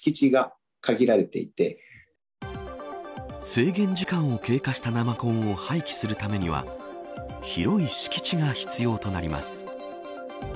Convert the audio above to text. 制限時間を経過した生コンを廃棄するためには広い敷地が必要となります。